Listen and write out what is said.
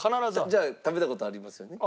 じゃあ食べた事ありますよね？